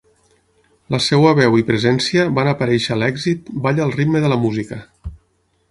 La seva veu i presència van aparèixer a l'èxit "Balla al ritme de la música".